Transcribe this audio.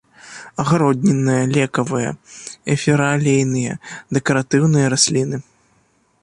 Агароднінныя, лекавыя, эфіраалейныя, дэкаратыўныя расліны.